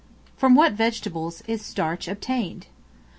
From what vegetables is Starch obtained?